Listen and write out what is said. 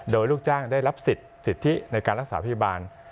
โดยลูกจ้างได้รับสิทธิในการรักษาพยาบาล